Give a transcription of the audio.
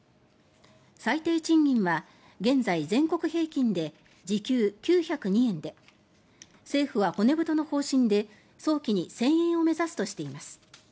最低賃金は現在全国平均で時給９０２円で政府は骨太の方針で早期に１０００円を目指すとしています。